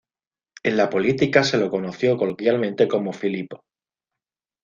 En la política se lo conoció coloquialmente como Filipo.